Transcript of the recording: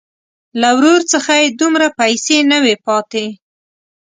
له ورور څخه یې دومره پیسې نه وې پاتې.